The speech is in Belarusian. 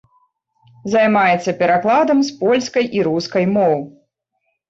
Займаецца перакладам з польскай і рускай моў.